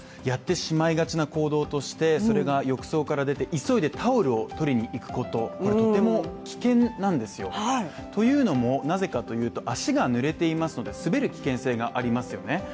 やってしまいがちな行動として、それが浴槽から出て急いでタオルを取りにいくこと、これ、とても危険なんですよ。というのも、なぜかというと、足が濡れていますので、滑る危険性がありますよね。